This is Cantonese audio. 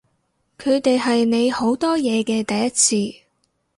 佢哋係你好多嘢嘅第一次